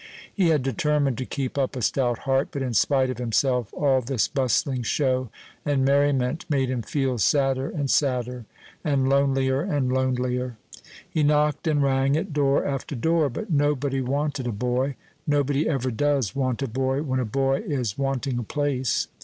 He had determined to keep up a stout heart; but in spite of himself, all this bustling show and merriment made him feel sadder and sadder, and lonelier and lonelier. He knocked and rang at door after door, but nobody wanted a boy: nobody ever does want a boy when a boy is wanting a place.